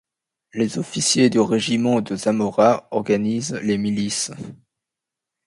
Les officiers du régiment de Zamora organisent les milices.